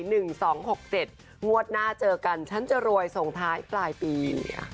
งวดหน้าเจอกันฉันจะรวยส่งท้ายปลายปี